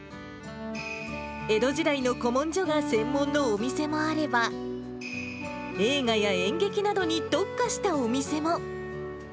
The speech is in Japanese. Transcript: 江戸時代の古文書が専門のお店もあれば、映画や演劇などに特化したお店も。